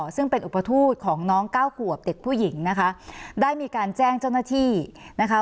ซึ่งเป็นอุปทูตของน้องเก้าขวบเด็กผู้หญิงนะคะได้มีการแจ้งเจ้าหน้าที่นะคะ